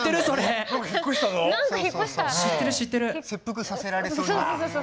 切腹させられそうになったの。